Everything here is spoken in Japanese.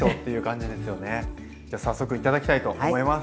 じゃ早速頂きたいと思います。